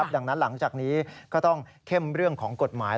ดังนั้นหลังจากนี้ก็ต้องเข้มเรื่องของกฎหมาย